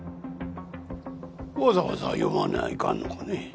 わざわざ読まにゃいかんのかね？